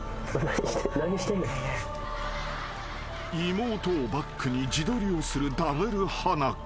［妹をバックに自撮りをするＷ花子］